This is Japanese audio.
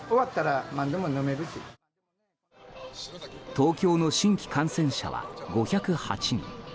東京の新規感染者は５０８人。